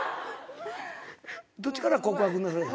どっちから告白された？